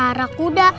aku bakal pelihara kuda